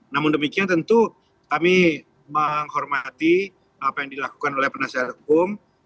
namun demikian tentu kami menghormati apa yang dilakukan oleh penasihat hukum